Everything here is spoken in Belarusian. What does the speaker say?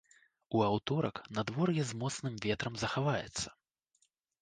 У аўторак надвор'е з моцным ветрам захаваецца.